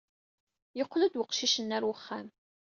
Yeqqel-d weqcic-nni ɣer wexxam.